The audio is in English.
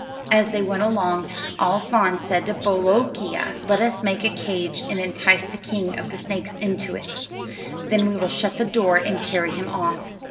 "As they went along, Al Faan said to Bolookeea, 'Let us make a cage and entice the king of the snakes into it; then we will shut the door and carry him off.'